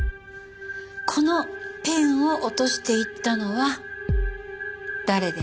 このペンを落としていったのは誰でしょう？